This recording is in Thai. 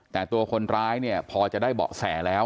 แต่ตัวคนร้ายเนี่ยพอจะได้เบาะแสแล้ว